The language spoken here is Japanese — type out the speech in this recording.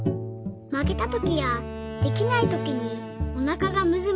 「負けた時やできないときにおなかがむずむずします。